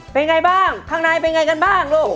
เป็นไงบ้างข้างในเป็นไงกันบ้างลูก